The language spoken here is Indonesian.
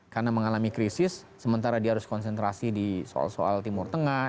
karena mengalami krisis sementara dia harus konsentrasi di soal soal timur tengah